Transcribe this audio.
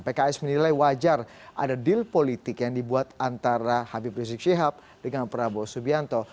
pks menilai wajar ada deal politik yang dibuat antara habib rizik syihab dengan prabowo subianto